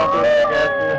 wah selamat datang mama